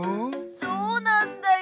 そうなんだよ。